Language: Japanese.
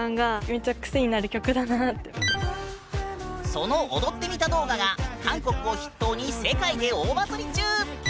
その踊ってみた動画が韓国を筆頭に世界で大バズり中！